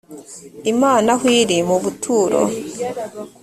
imana aho iri mu buturo